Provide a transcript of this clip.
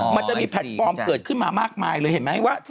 มันจะมีแพลตฟอร์มเกิดขึ้นมามากมายเลยเห็นไหมว่า